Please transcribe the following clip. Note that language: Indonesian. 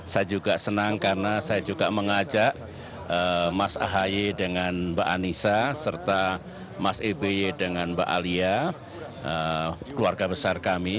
saya juga senang karena saya juga mengajak mas ahaye dengan mbak anissa serta mas eby dengan mbak alia keluarga besar kami